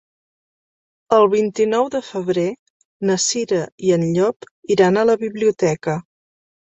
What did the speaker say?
El vint-i-nou de febrer na Cira i en Llop iran a la biblioteca.